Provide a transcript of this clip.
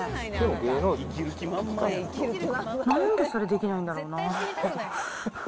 なんでそれできないんだろうな。